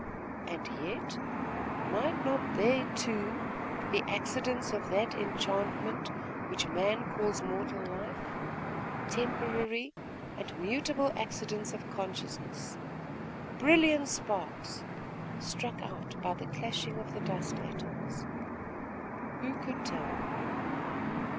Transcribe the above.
And yet might not they, too, be accidents of that enchantment, which man calls mortal life; temporary and mutable accidents of consciousness; brilliant sparks, struck out by the clashing of the dust atoms? Who could tell?